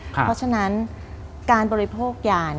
เพราะฉะนั้นการบริโภคยา